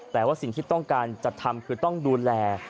แต่ว่าสิ่งที่ต้องการจะทำคือต้องดูแล